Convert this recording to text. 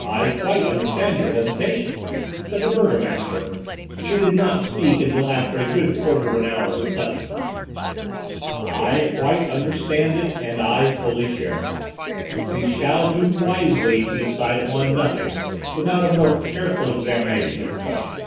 "I quite understand your hesitation," said the burgomaster, who did not speak until after a good quarter of an hour of reflection, "I quite understand it, and I fully share it. We shall do wisely to decide upon nothing without a more careful examination of the question."